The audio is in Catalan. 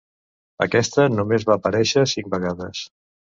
Aquesta només va parèixer cinc vegades.